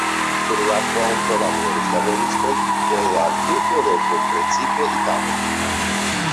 Sur la ponto laboris laboristoj el la tuta Eŭropo, precipe italoj.